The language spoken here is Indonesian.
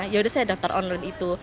yaudah saya daftar online itu